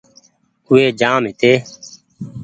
او وي جآم هيتي